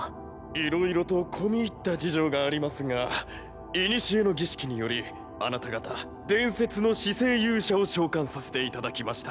いろいろと込み入った事情がありますがいにしえの儀式によりあなた方伝説の四聖勇者を召喚させていただきました。